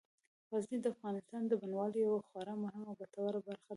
غزني د افغانستان د بڼوالۍ یوه خورا مهمه او ګټوره برخه ده.